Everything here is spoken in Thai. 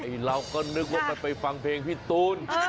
เราก็นึกว่ามันไปฟังเพลงพี่ตูน